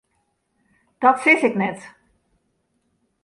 Dat sis ik net.